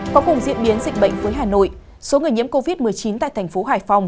có cùng diễn biến dịch bệnh với hà nội số người nhiễm covid một mươi chín tại thành phố hải phòng